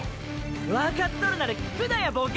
わかっとるなら聞くなやボケ！